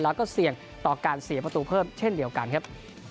แล้วก็เสี่ยงต่อการเสียประตูเพิ่มเช่นเดียวกันครับ